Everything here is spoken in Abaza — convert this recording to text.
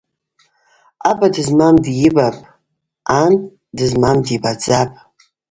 Аба дызмам дйыбапӏ, ан дызмам дйыбадзапӏ .